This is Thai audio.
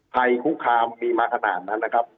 ภัยคุกคามมีมาขนาดนั้นนะครับ